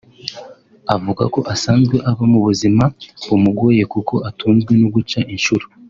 Avuga ko asanzwe aba mu buzima bumugoreye kuko atunzwe no guca inshuro